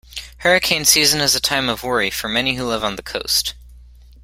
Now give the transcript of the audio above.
Hurricane season is a time of worry for many who live on the coast.